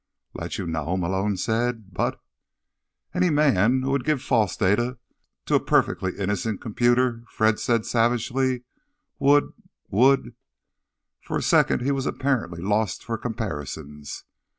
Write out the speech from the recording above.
"Let you know?" Malone said. "But—" "Any man who would give false data to a perfectly innocent computer," Fred said savagely, "would—would—" For a second he was apparently lost for comparisons.